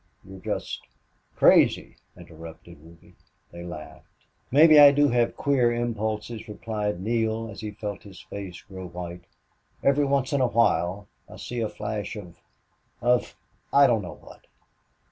"You're just " "Crazy," interrupted Ruby. They laughed. "Maybe I do have queer impulses," replied Neale, as he felt his face grow white. "Every once in a while I see a flash of of I don't know what.